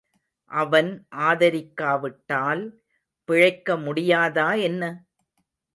அவன் ஆதரிக்காவிட்டால் பிழைக்க முடியாதா என்ன?